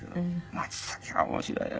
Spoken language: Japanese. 「松崎は面白いよ」